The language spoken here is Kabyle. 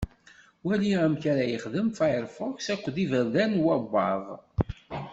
Wali amek ara yexdem Firefox akked iberdan n wawwaḍ